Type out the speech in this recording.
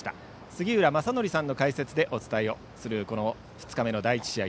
杉浦正則さんの解説でお伝えする２日目の第１試合。